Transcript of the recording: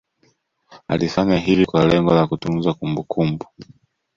Alifanya hivi kwa lengo la kutunza kumbukumbu